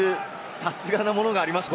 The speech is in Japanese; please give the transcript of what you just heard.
さすがなものがありますね。